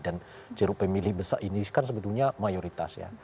dan jeruk pemilih besar ini kan sebetulnya mayoritas ya